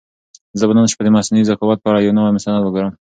زه به نن شپه د مصنوعي ذکاوت په اړه یو نوی مستند وګورم.